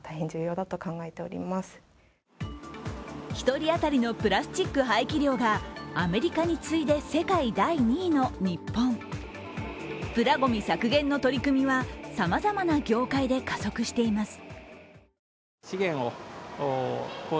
１人当たりのプラスチック排気量がアメリカに次いで世界第２位の日本プラごみ削減の取り組みは、さまざまな業界で加速しています。